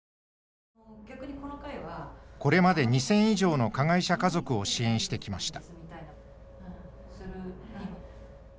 これまで２，０００以上の加害者家族を支援してきました。